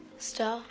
スター。